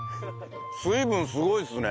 水分すごいですね。